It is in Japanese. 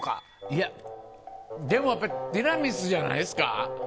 でも、やっぱりティラミスじゃないですか。